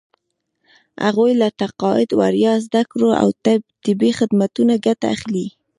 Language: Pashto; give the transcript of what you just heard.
هغوی له تقاعد، وړیا زده کړو او طبي خدمتونو ګټه اخلي.